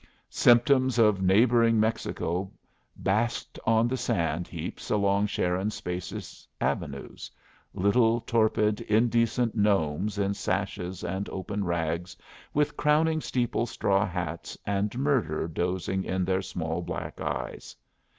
Symptoms of neighboring Mexico basked on the sand heaps along Sharon's spacious avenues little torpid, indecent gnomes in sashes and open rags, with crowning steeple straw hats, and murder dozing in their small black eyes.